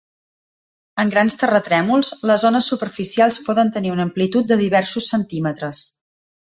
En grans terratrèmols, les ones superficials poden tenir una amplitud de diversos centímetres.